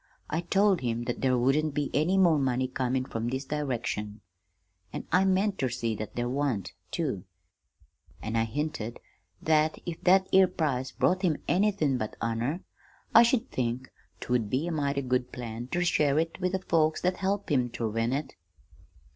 I told him that there wouldn't be any more money comin' from this direction (an' I meant ter see that there wan't, too!), an' I hinted that if that 'ere prize brought anythin' but honor, I should think 't would be a mighty good plan ter share it with the folks that helped him ter win it.